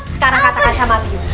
sekarang katakan sama mio